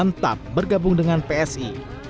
mantap bergabung dengan psi